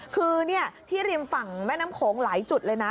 คือที่ริมฝั่งแม่น้ำโขงหลายจุดเลยนะ